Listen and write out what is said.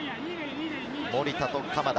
守田と鎌田。